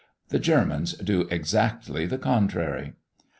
The Germans do exactly the contrary.